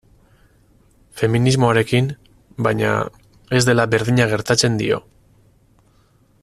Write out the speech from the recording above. Feminismoarekin, baina, ez dela berdina gertatzen dio.